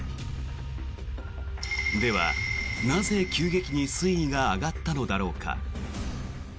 では、なぜ急激に水位が上がったのだろうか。